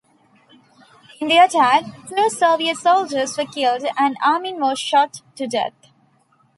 In the attack, two Soviet soldiers were killed, and Amin was shot to death.